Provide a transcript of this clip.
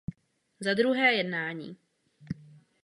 Za druhé, jednání.